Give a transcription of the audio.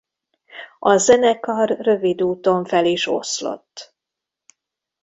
A zenekar rövid úton fel is oszlott.